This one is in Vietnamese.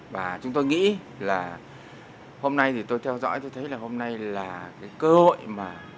và chúng tôi nghĩ là hôm nay thì tôi theo dõi tôi thấy là hôm nay là cái cơ hội mà